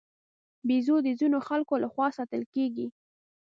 بیزو د ځینو خلکو له خوا ساتل کېږي.